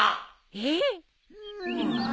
えっ？